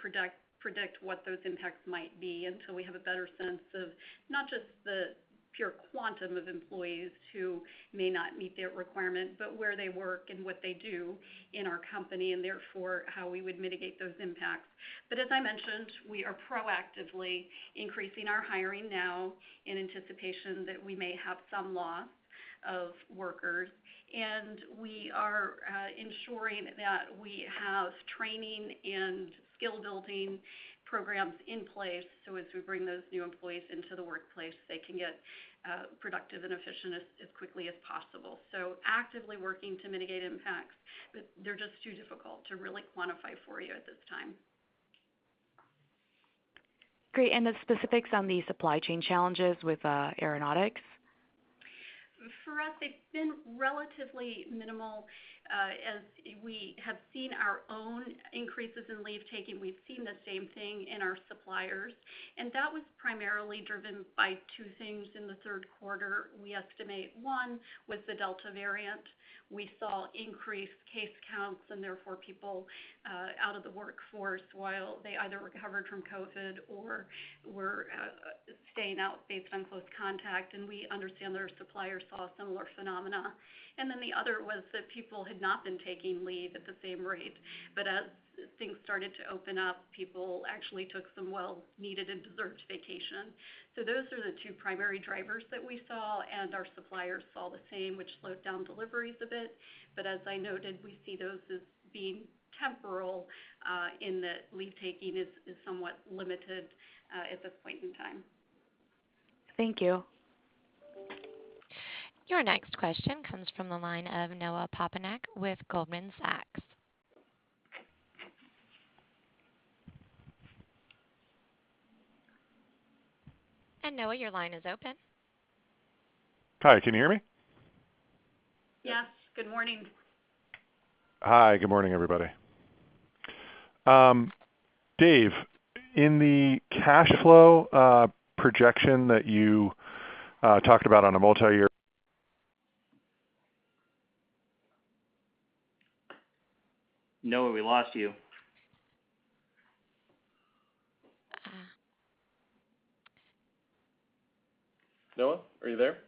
Speaker 3: predict what those impacts might be until we have a better sense of not just the pure quantum of employees who may not meet that requirement, but where they work and what they do in our company and therefore how we would mitigate those impacts. As I mentioned, we are proactively increasing our hiring now in anticipation that we may have some loss of workers, and we are ensuring that we have training and skill building programs in place, so as we bring those new employees into the workplace, they can get productive and efficient as quickly as possible. Actively working to mitigate impacts, but they're just too difficult to really quantify for you at this time.
Speaker 10: Great. The specifics on the supply chain challenges with Aeronautics?
Speaker 3: For us, they've been relatively minimal. As we have seen our own increases in leave-taking, we've seen the same thing in our suppliers, and that was primarily driven by two things in the third quarter. We estimate one was the Delta variant. We saw increased case counts and therefore people out of the workforce while they either recovered from COVID or were staying out based on close contact. We understand their suppliers saw a similar phenomenon. Then the other was that people had not been taking leave at the same rate. As things started to open up, people actually took some well-needed and deserved vacation. Those are the two primary drivers that we saw, and our suppliers saw the same, which slowed down deliveries a bit. As I noted, we see those as being temporal, in that leave-taking is somewhat limited at this point in time.
Speaker 10: Thank you.
Speaker 1: Your next question comes from the line of Noah Poponak with Goldman Sachs. Noah, your line is open.
Speaker 11: Hi, can you hear me?
Speaker 3: Yes. Good morning.
Speaker 11: Hi. Good morning, everybody. Dave, in the cash flow projection that you talked about on a multi-year-
Speaker 2: Noah, we lost you.
Speaker 1: Uh.
Speaker 2: Noah, are you there?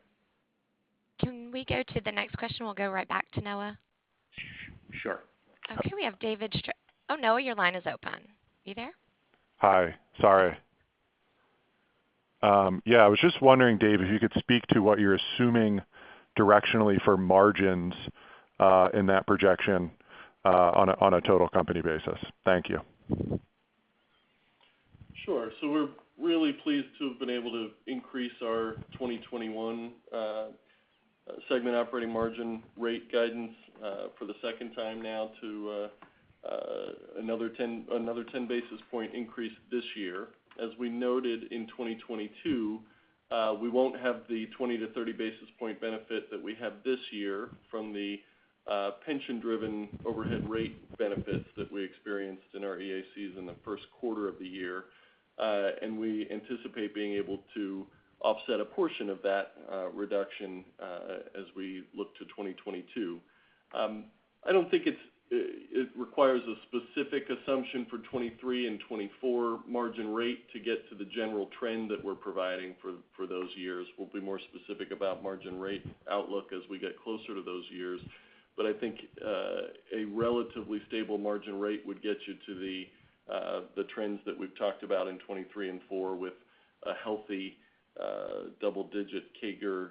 Speaker 1: Can we go to the next question? We'll go right back to Noah.
Speaker 2: Sure.
Speaker 1: Okay, oh, Noah, your line is open. You there?
Speaker 11: Hi. Sorry. Yeah, I was just wondering, Dave, if you could speak to what you're assuming directionally for margins in that projection on a total company basis. Thank you.
Speaker 4: Sure. We're really pleased to have been able to increase our 2021 segment operating margin rate guidance for the second time now to another 10 basis point increase this year. As we noted in 2022, we won't have the 20-30 basis point benefit that we have this year from the pension-driven overhead rate benefits that we experienced in our EACs in the first quarter of the year. We anticipate being able to offset a portion of that reduction as we look to 2022. I don't think it requires a specific assumption for 2023 and 2024 margin rate to get to the general trend that we're providing for those years. We'll be more specific about margin rate outlook as we get closer to those years. I think a relatively stable margin rate would get you to the trends that we've talked about in 2023 and 2024 with a healthy double-digit CAGR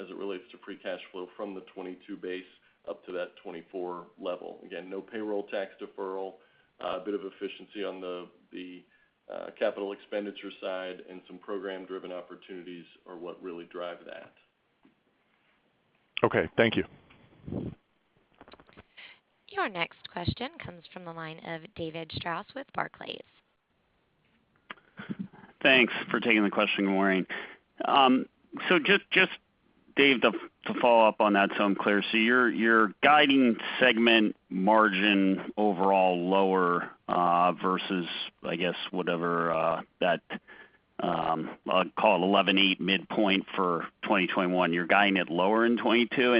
Speaker 4: as it relates to free cash flow from the 2022 base up to that 2024 level. Again, no payroll tax deferral, a bit of efficiency on the capital expenditure side and some program-driven opportunities are what really drive that.
Speaker 11: Okay, thank you.
Speaker 1: Your next question comes from the line of David Strauss with Barclays.
Speaker 12: Thanks for taking the question, Maureen. Just Dave, to follow up on that so I'm clear. You're guiding segment margin overall lower versus, I guess, whatever that, I'll call it 11% midpoint for 2021. You're guiding it lower in 2022.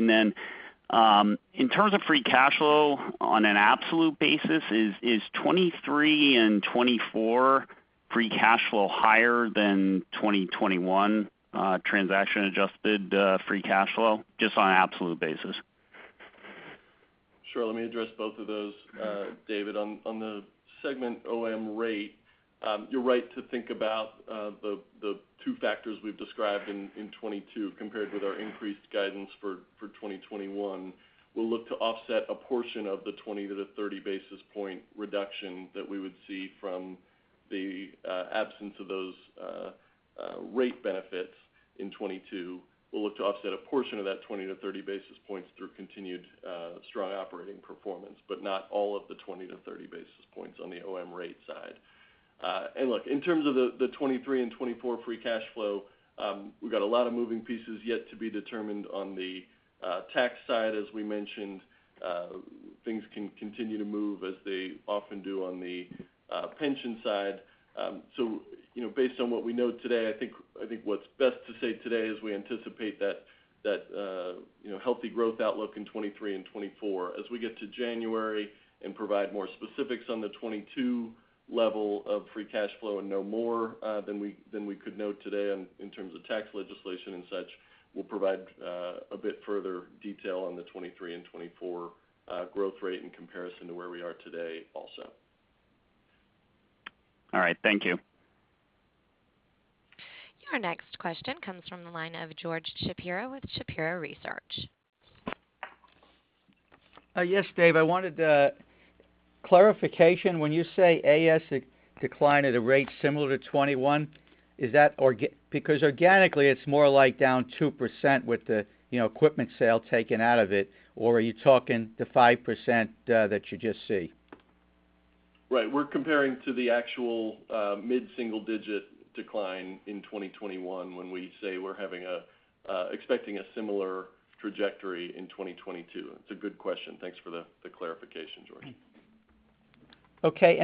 Speaker 12: In terms of free cash flow on an absolute basis, is 2023 and 2024 free cash flow higher than 2021 transaction-adjusted free cash flow? Just on an absolute basis.
Speaker 4: Sure. Let me address both of those, David. On the segment OM rate, you're right to think about the two factors we've described in 2022 compared with our increased guidance for 2021. We'll look to offset a portion of the 20-30 basis point reduction that we would see from the absence of those rate benefits in 2022. We'll look to offset a portion of that 20-30 basis points through continued strong operating performance, but not all of the 20-30 basis points on the OM rate side. Look, in terms of the 2023 and 2024 free cash flow, we've got a lot of moving pieces yet to be determined on the tax side, as we mentioned. Things can continue to move as they often do on the pension side. You know, based on what we know today, I think what's best to say today is we anticipate that you know, healthy growth outlook in 2023 and 2024. As we get to January and provide more specifics on the 2022 level of free cash flow and know more than we could know today in terms of tax legislation and such, we'll provide a bit further detail on the 2023 and 2024 growth rate in comparison to where we are today also.
Speaker 12: All right. Thank you.
Speaker 1: Your next question comes from the line of George Shapiro with Shapiro Research.
Speaker 13: Yes, Dave, I wanted clarification. When you say AS decline at a rate similar to 2021, is that because organically, it's more like down 2% with the, you know, equipment sale taken out of it, or are you talking the 5% that you just see?
Speaker 4: Right. We're comparing to the actual mid-single digit decline in 2021 when we say we're expecting a similar trajectory in 2022. It's a good question. Thanks for the clarification, George.
Speaker 13: Okay.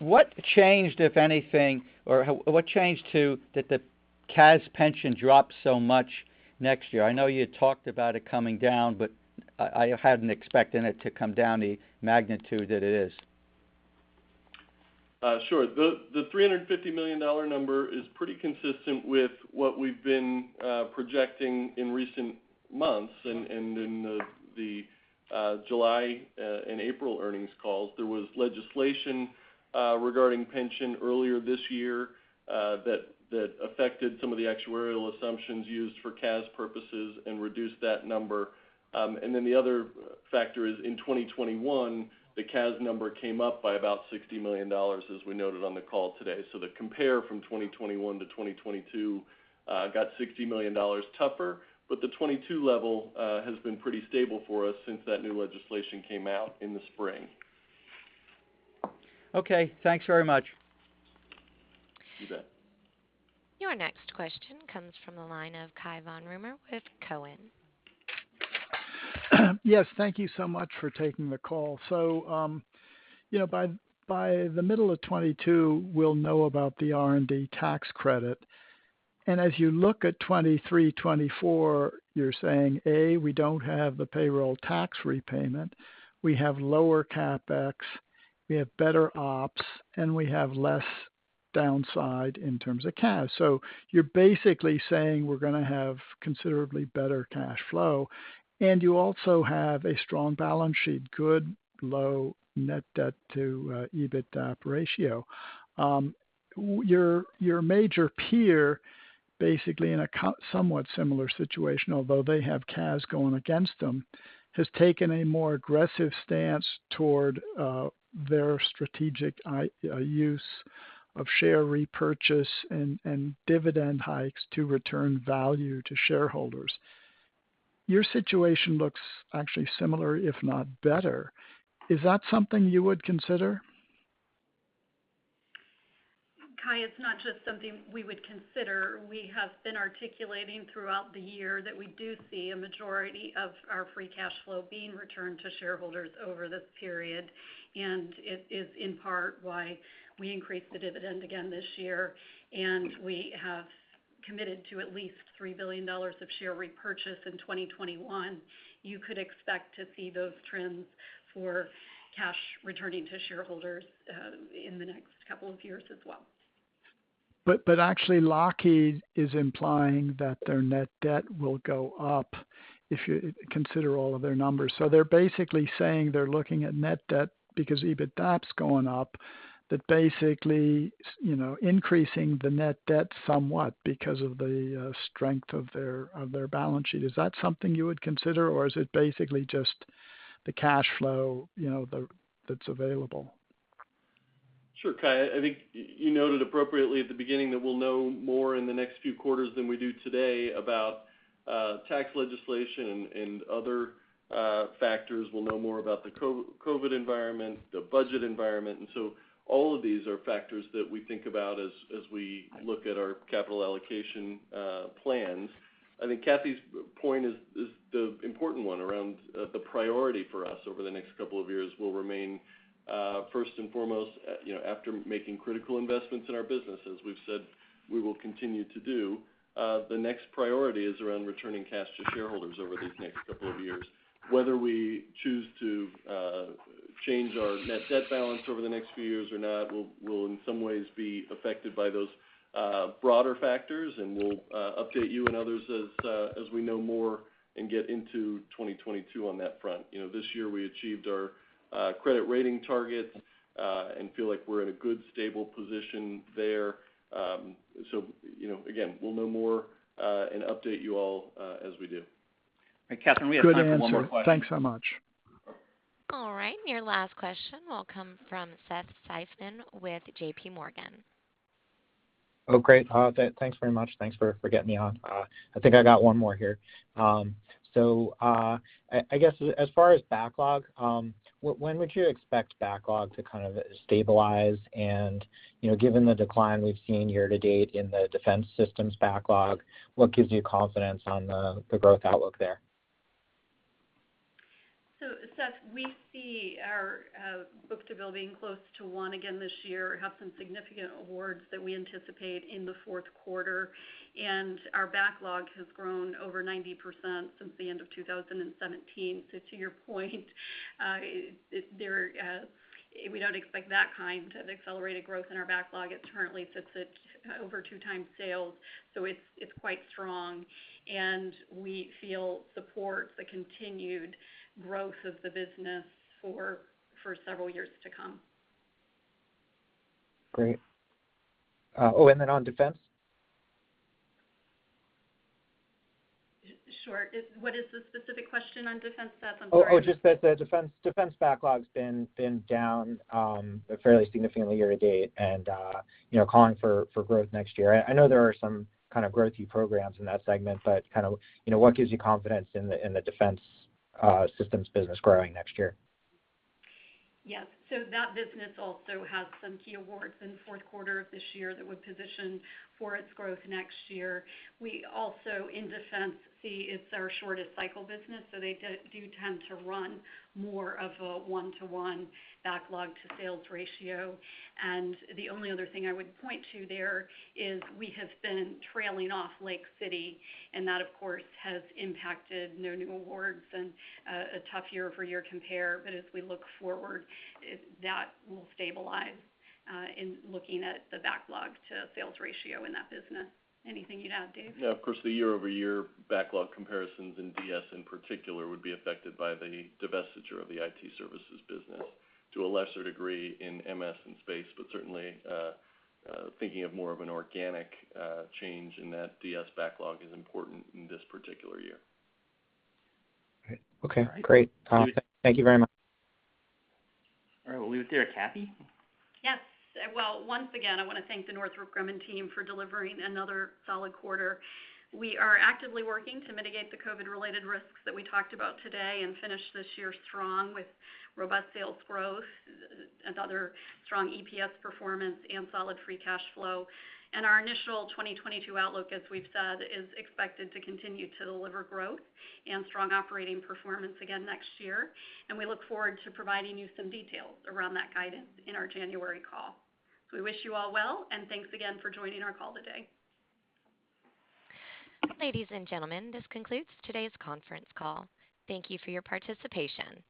Speaker 13: What changed, if anything, such that the CAS pension dropped so much next year? I know you talked about it coming down, but I hadn't expected it to come down the magnitude that it is.
Speaker 4: Sure. The $350 million number is pretty consistent with what we've been projecting in recent months. In the July and April earnings calls, there was legislation regarding pension earlier this year that affected some of the actuarial assumptions used for CAS purposes and reduced that number. The other factor is in 2021, the CAS number came up by about $60 million, as we noted on the call today. The compare from 2021 to 2022 got $60 million tougher, but the 2022 level has been pretty stable for us since that new legislation came out in the spring.
Speaker 13: Okay, thanks very much.
Speaker 4: You bet.
Speaker 1: Your next question comes from the line of Cai von Rumohr with Cowen.
Speaker 14: Yes, thank you so much for taking the call. You know, by the middle of 2022, we'll know about the R&D tax credit. As you look at 2023, 2024, you're saying, A, we don't have the payroll tax repayment, we have lower CapEx, we have better ops, and we have less downside in terms of cash. You're basically saying we're gonna have considerably better cash flow, and you also have a strong balance sheet, good low net debt to EBITDAP ratio. Your major peer, basically in a somewhat similar situation, although they have cash going against them, has taken a more aggressive stance toward their strategic use of share repurchase and dividend hikes to return value to shareholders. Your situation looks actually similar, if not better. Is that something you would consider?
Speaker 3: Cai, it's not just something we would consider. We have been articulating throughout the year that we do see a majority of our free cash flow being returned to shareholders over this period, and it is in part why we increased the dividend again this year and we have committed to at least $3 billion of share repurchase in 2021. You could expect to see those trends for cash returning to shareholders, in the next couple of years as well.
Speaker 14: Actually Lockheed is implying that their net debt will go up if you consider all of their numbers. They're basically saying they're looking at net debt because EBITDAP's going up, that basically, you know, increasing the net debt somewhat because of the strength of their balance sheet. Is that something you would consider, or is it basically just the cash flow, you know, that's available?
Speaker 4: Sure, Cai. I think you noted appropriately at the beginning that we'll know more in the next few quarters than we do today about tax legislation and other factors. We'll know more about the COVID environment, the budget environment. All of these are factors that we think about as we look at our capital allocation plans. I think Kathy's point is the important one around the priority for us over the next couple of years will remain first and foremost, you know, after making critical investments in our business, as we've said we will continue to do, the next priority is around returning cash to shareholders over these next couple of years. Whether we choose to change our net debt balance over the next few years or not will in some ways be affected by those broader factors. We'll update you and others as we know more and get into 2022 on that front. You know, this year we achieved our credit rating targets and feel like we're in a good, stable position there. You know, again, we'll know more and update you all as we do.
Speaker 2: Catherine, we have time for one more question.
Speaker 14: Good answer. Thanks so much.
Speaker 1: All right, your last question will come from Seth Seifman with JPMorgan.
Speaker 15: Oh, great. Thanks very much. Thanks for getting me on. I think I got one more here. I guess as far as backlog, when would you expect backlog to kind of stabilize and, you know, given the decline we've seen year to date in the Defense Systems backlog, what gives you confidence on the growth outlook there?
Speaker 3: Seth, we see our book-to-bill being close to 1 again this year. We have some significant awards that we anticipate in the fourth quarter, and our backlog has grown over 90% since the end of 2017. To your point, we don't expect that kind of accelerated growth in our backlog. It currently sits at over 2x sales, so it's quite strong and we feel supports the continued growth of the business for several years to come.
Speaker 15: Great. Oh, and then on defense?
Speaker 3: Sure. What is the specific question on defense, Seth? I'm sorry.
Speaker 15: Oh, just that the defense backlog's been down fairly significantly year to date and, you know, calling for growth next year. I know there are some kind of growthy programs in that segment, but kind of, you know, what gives you confidence in the defense systems business growing next year?
Speaker 3: Yes. That business also has some key awards in the fourth quarter of this year that would position for its growth next year. We also, in defense, see it's our shortest cycle business, so they do tend to run more of a one-to-one backlog to sales ratio. The only other thing I would point to there is we have been trailing off Lake City and that of course has impacted no new awards and a tough year-over-year compare. As we look forward, that will stabilize in looking at the backlog to sales ratio in that business. Anything you'd add, Dave?
Speaker 4: Yeah, of course, the year-over-year backlog comparisons in DS in particular would be affected by the divestiture of the IT services business. To a lesser degree in MS and space, but certainly, thinking of more of an organic change in that DS backlog is important in this particular year.
Speaker 15: Great. Okay. Great. Thank you very much.
Speaker 2: All right, we'll leave it there. Kathy?
Speaker 3: Yes. Well, once again, I wanna thank the Northrop Grumman team for delivering another solid quarter. We are actively working to mitigate the COVID-related risks that we talked about today and finish this year strong with robust sales growth, other strong EPS performance, and solid free cash flow. Our initial 2022 outlook, as we've said, is expected to continue to deliver growth and strong operating performance again next year. We look forward to providing you some details around that guidance in our January call. We wish you all well, and thanks again for joining our call today.
Speaker 1: Ladies and gentlemen, this concludes today's conference call. Thank you for your participation.